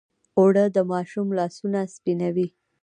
اوړه د ماشوم لاسونه سپینوي